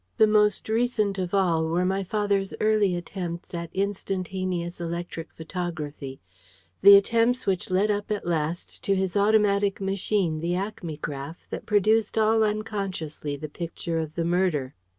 The most recent of all were my father's early attempts at instantaneous electric photography the attempts which led up at last to his automatic machine, the acmegraph, that produced all unconsciously the picture of the murder.